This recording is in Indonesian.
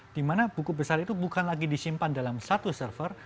dimana buku besar itu bukan lagi disimpan dalam satu server